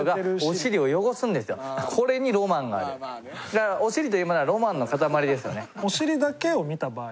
だからおしりというものはロマンの塊ですよね。